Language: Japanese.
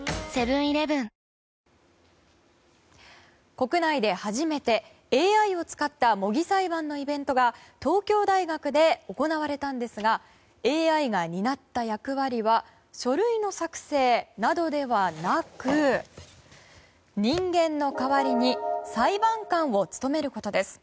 国内で初めてＡＩを使った模擬裁判のイベントが東京大学で行われたんですがＡＩが担った役割は書類の作成などではなく人間の代わりに裁判官を務めることです。